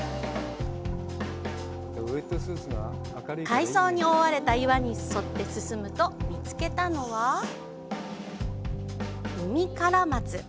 海藻に覆われた岩に沿って進むと見つけたのはウミカラマツ。